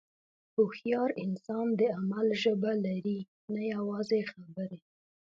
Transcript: هوښیار انسان د عمل ژبه لري، نه یوازې خبرې.